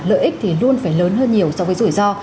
lợi ích thì luôn phải lớn hơn nhiều so với rủi ro